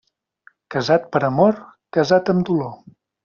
Casat per amor, casat amb dolor.